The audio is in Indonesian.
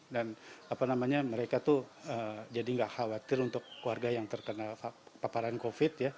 dan mereka tuh jadi gak khawatir untuk warga yang terkena paparan covid sembilan belas